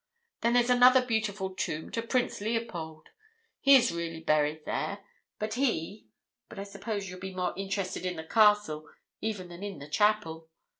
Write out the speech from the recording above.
Then there's another beautiful tomb to Prince Leopold. He is really buried there, and he but I suppose you'll be more interested in the castle even than in the chapel."